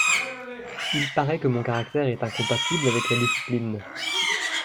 Il paraît que mon caractère est incompatible avec la discipline.